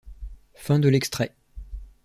Fin de l'extrait.